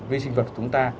vi sinh vật của chúng ta